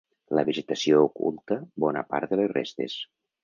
La vegetació oculta bona part de les restes.